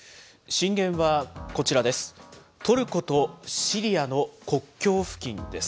震源はこちらです。